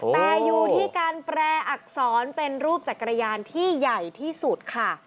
แต่อยู่ที่การแปรอักษรเป็นรูปจักรยานที่ใหญ่ที่สุดค่ะ